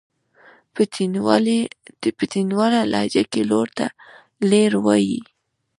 په تڼيواله لهجه کې لور ته لير وايي.